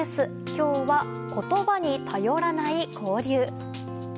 今日は、言葉に頼らない交流。